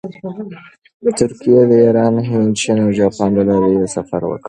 د ترکیې، ایران، هند، چین او جاپان له لارې یې سفر وکړ.